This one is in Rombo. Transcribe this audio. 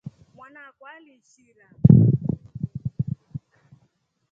Mwana akwa aliishira.